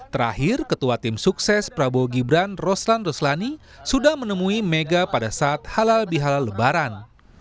terakhir ketua tim sukses prabowo gibran roslan roslani sudah menemui mega pada saat halal bihalal lebaran